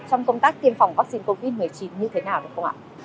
trong công tác tiêm phòng vắc xin covid một mươi chín như thế nào được không ạ